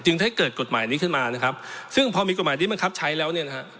จึงถ้าเกิดกฎหมายนี้ขึ้นมานะครับซึ่งพอมีกฎหมายนี้มันครับใช้แล้ว